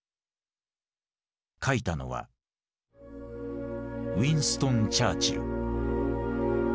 描いたのはウィンストン・チャーチル。